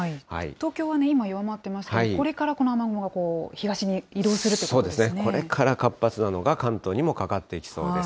東京は今、弱まってますけど、これからこの雨雲がこう東に移動そうですね、これから活発なのが関東にもかかってきそうです。